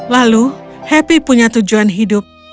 lalu happy punya tujuan hidup